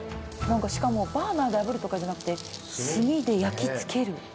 何かしかもバーナーで炙るとかじゃなくて炭で焼き付ける。